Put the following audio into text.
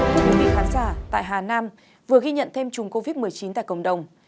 thưa quý vị khán giả tại hà nam vừa ghi nhận thêm chùm covid một mươi chín tại cộng đồng